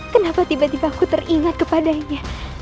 kenapa tiba tiba aku teringat kepadanya